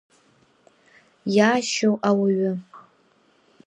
Иаашьо ауаҩы…